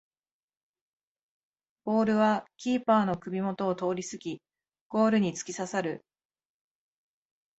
ボールはキーパーの首もとを通りすぎゴールにつきささる